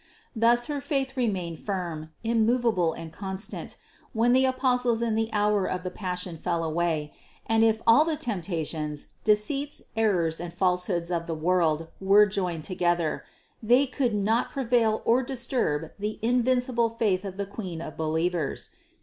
Thus Her faith remained firm, immovable and constant, when the Apostles in the hour of the Passion fell away; and if all the temptations, deceits, errors, and falsehoods of the world were joined together, they could not prevail or disturb the invincible faith of the Queen of believers.